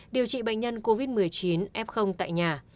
điều trị bệnh nhân covid một mươi chín f tại nhà